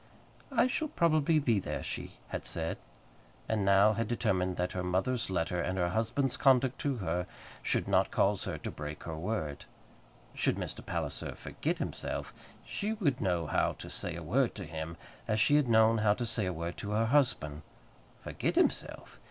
"I shall probably be there," she had said, and now had determined that her mother's letter and her husband's conduct to her should not cause her to break her word. Should Mr. Palliser "forget" himself, she would know how to say a word to him as she had known how to say a word to her husband. Forget himself!